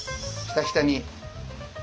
ひたひたに。